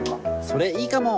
それいいかも。